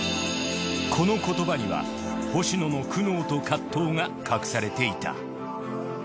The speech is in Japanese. この言葉には星野の苦悩と葛藤が隠されていた。